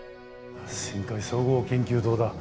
深海総合研究棟だ。